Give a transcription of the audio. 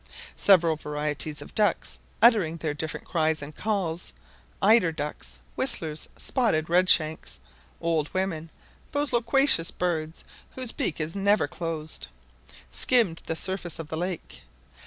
Several varieties of ducks, uttering their different cries and calls, eider ducks, whistlers spotted redshanks, "old women," those loquacious birds whose beak is never closed, skimmed the surface of the lake.